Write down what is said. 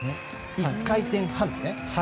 １回転半です。